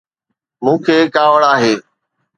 مون کي ڪاوڙ آهي